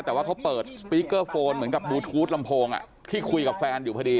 แต่ว่าเขาเปิดสปีกเกอร์โฟนเหมือนกับบลูทูธลำโพงที่คุยกับแฟนอยู่พอดี